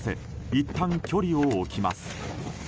いったん距離を置きます。